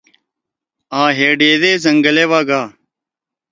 آں ہے ڈیدے زنگلے وا گأ۔